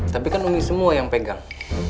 tapi kan ungis semua yang pegang